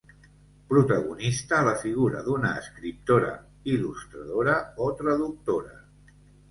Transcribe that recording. Protagonista la figura d'una escriptora, il·lustradora o traductora.